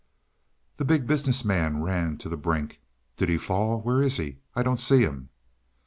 The Big Business Man ran to the brink. "Did he fall? Where is he? I don't see him."